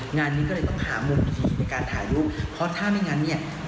งานนี้ก็เลยต้องหามูลวิธีในการถ่ายรูปเพราะถ้าไม่งั้นเนี่ย